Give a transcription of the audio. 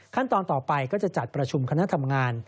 ขั้นตอนต่อไปก็จะจัดประชุมคณะทำงาน